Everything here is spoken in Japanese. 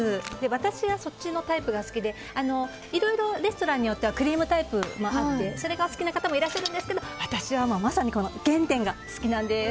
私はそっちのタイプが好きでいろいろレストランによってはクリームタイプもあってそれが好きな方もいらっしゃるんですけど私はまさに原点が好きなんです。